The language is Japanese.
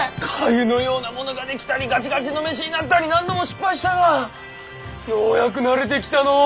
粥のようなものが出来たりガチガチの飯になったり何度も失敗したがようやく慣れてきたのう。